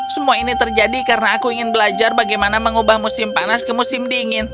semua ini terjadi karena aku ingin belajar bagaimana mengubah musim panas ke musim dingin